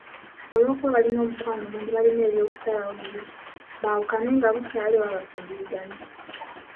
Olw'okuba baalina omukwano mungi baalina eby'okusalawo bibiri; baawukane nga bukyali oba bafumbirigane.